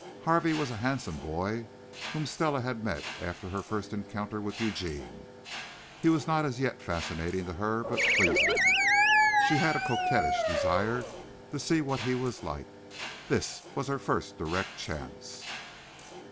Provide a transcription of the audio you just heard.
Harvey was a handsome boy whom Stella had met after her first encounter with Eugene. He was not as yet fascinating to her, but pleasing. She had a coquettish desire to see what he was like. This was her first direct chance.